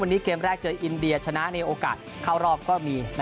วันนี้เกมแรกเจออินเดียและเชียงชนะที่โอกาสเข้ารอบก็มี